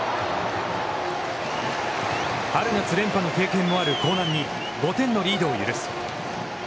春夏連覇の経験もある興南に５点のリードを許す。